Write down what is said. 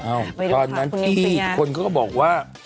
อ้าวโต่นทีคนก็บอกว่า